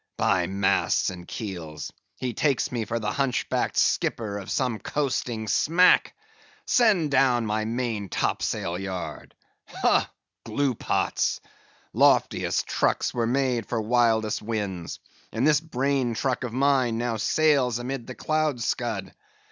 —By masts and keels! he takes me for the hunch backed skipper of some coasting smack. Send down my main top sail yard! Ho, gluepots! Loftiest trucks were made for wildest winds, and this brain truck of mine now sails amid the cloud scud.